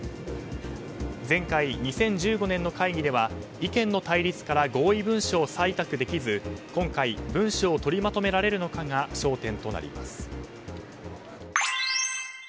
前回、２０１５年の会議では意見の対立から合意文書を採択できず今回、文書を取りまとめられるのかが焦点となります。